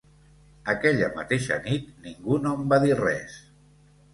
Aquella mateixa nit ningú no em va dir res.